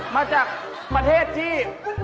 มาจากประเทศที่